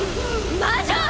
魔女！